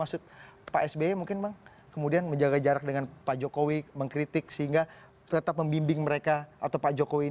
selalu dikasih kesempatan waktu dulu loh